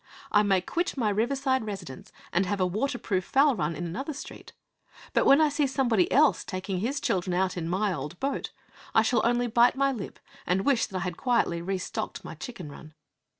I may quit my riverside residence and have a waterproof fowl run in another street; but when I see somebody else taking his children out in my old boat, I shall only bite my lip and wish that I had quietly restocked my chicken run.